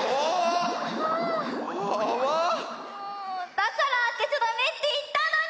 だからあけちゃだめっていったのに！